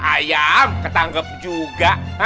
ayam ketangkep juga